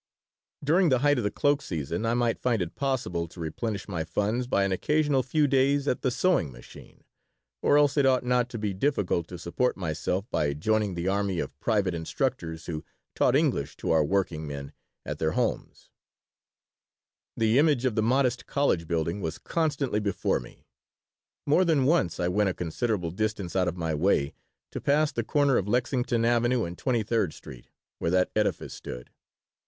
During the height of the cloak season I might find it possible to replenish my funds by an occasional few days at the sewing machine, or else it ought not to be difficult to support myself by joining the army of private instructors who taught English to our workingmen at their homes The image of the modest college building was constantly before me. More than once I went a considerable distance out of my way to pass the corner of Lexington Avenue and Twenty third Street, where that edifice stood.